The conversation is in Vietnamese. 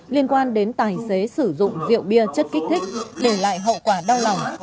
liên quan đến tài xế sử dụng rượu bia chất kích thích để lại hậu quả đau lòng